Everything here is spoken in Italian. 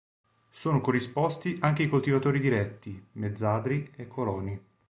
Sono corrisposti anche ai coltivatori diretti, mezzadri e coloni.